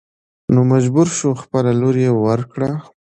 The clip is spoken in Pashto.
نو مجبور شو خپله لور يې ور کړه.